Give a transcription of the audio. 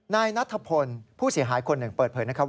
นายนัทพลผู้เสียหายคนหนึ่งเปิดเผยนะครับ